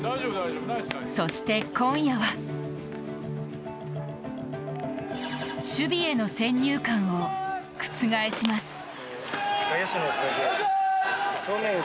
そして今夜は守備への先入観を覆します。